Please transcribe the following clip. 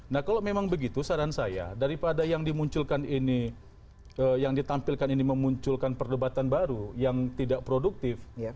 nah kalau memang begitu saran saya daripada yang dimunculkan ini yang ditampilkan ini memunculkan perdebatan baru yang tidak produktif